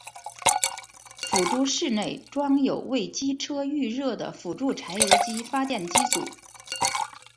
辅助室内装有为机车预热的辅助柴油机发电机组。